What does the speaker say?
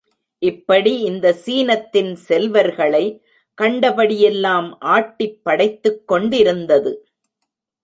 இப்படி இந்த சீனத்தின் செல்வர்களை கண்டபடியெல்லாம் ஆட்டிப் படைத்துக்கொண்டிருந்தது.